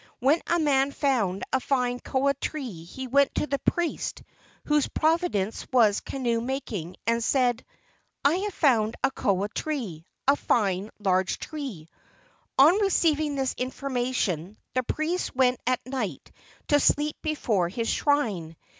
When a man found a fine koa tree he went to the priest whose province was canoe making and said, "I have found a koa tree, a fine large tree." On receiving this information the priest went at night to sleep before his shrine.